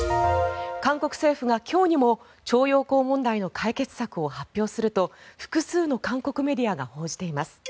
韓国政府が今日にも徴用工問題の解決策を発表すると複数の韓国メディアが報じています。